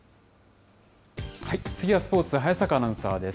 次はスポーツ、早坂アナウンサーです。